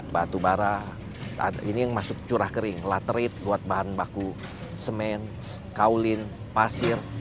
batu bara ini yang masuk curah kering laterit buat bahan baku semen kaulin pasir